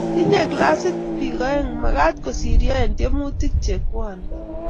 tinye klasit b oeng maket kosiryo en tiemutich che kwonee